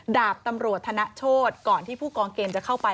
ดาบตำรวจธนโชธก่อนที่ผู้กองเกมจะเข้าไป